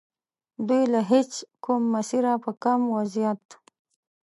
دوی له هیچ کوم مسیره په کم و زیات.